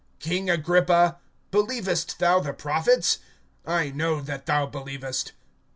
(27)King Agrippa, believest thou the prophets? I know that thou believest.